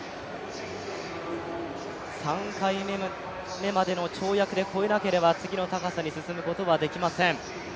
３回目までの跳躍で越えなければ次の高さに進むことはできません。